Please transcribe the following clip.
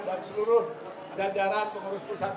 dan seluruh jajaran pengurus pusat pbbc